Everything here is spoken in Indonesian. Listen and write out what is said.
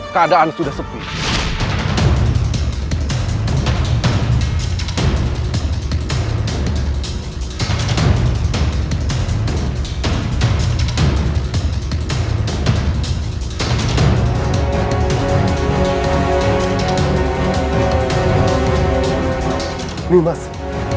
keadaan tidak ufc di hati ada